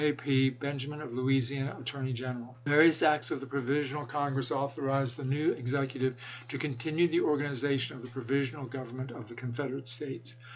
P. Benjamin, of Louisiana, Attorney General. Various acts of the Provisional Congress authorized the new executive to continue the organization of the provisional government of the Confederate States.